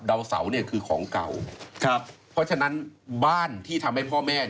ดาวสาวเนี่ยคือของเก่า